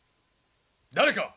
誰か。